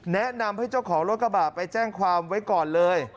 แนะนำให้เจ้าของรถกระบะไปแจ้งความไว้ก่อนเลย